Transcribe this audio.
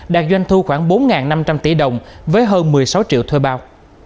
đạt doanh thu khoảng bốn năm trăm linh tỷ đồng với hơn một mươi sáu triệu thuê bao